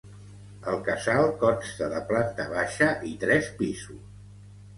El Casal consta de planta baixa i tres pisos.